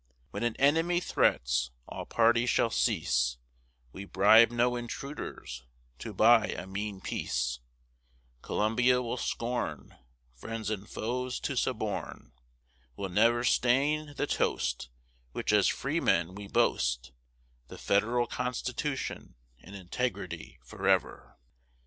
When an enemy threats, all party shall cease; We bribe no intruders to buy a mean peace; Columbia will scorn Friends and foes to suborn; We'll ne'er stain the toast Which as freemen we boast The Federal Constitution, and integrity forever.